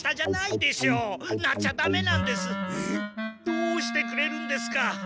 どうしてくれるんですか！